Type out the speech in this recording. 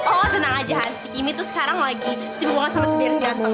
oh tenang aja si kimi itu sekarang lagi sibuk banget sama sendiri ganteng